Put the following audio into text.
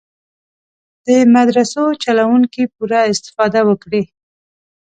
د مدرسو چلوونکي پوره استفاده وکړي.